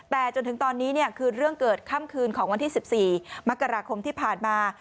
แต่จนถึงตอนนี้คือเรื่องเกิดค่ำคืนของวันที่๑๔มกราคมที่ผ่านมา